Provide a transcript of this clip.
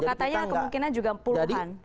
katanya kemungkinan juga puluhan